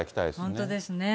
本当ですね。